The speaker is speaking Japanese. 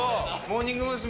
モーニング娘。